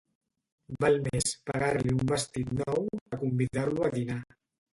Val més pagar-li un vestit nou, que convidar-lo a dinar.